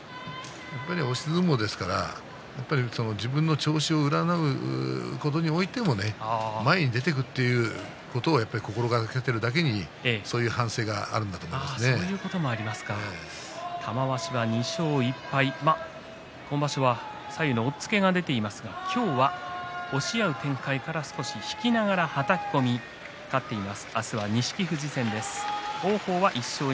やっぱり押し相撲ですから自分の調子を占うことにおいてもね前に出ていくということを心がけているだけにそういう反省があるんだと玉鷲は２勝１敗、今場所は左右の押っつけが出ていますが今日は押し合う展開から少し引きながらはたき込み勝っています。